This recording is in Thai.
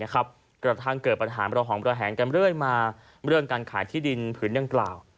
กระทั่งเกิดปัญหาระหองระแหงกันเรื่อยมาเรื่องการขายที่ดินผืนดังกล่าว